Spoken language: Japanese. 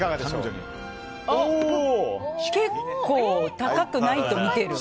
結構高くないと見てる。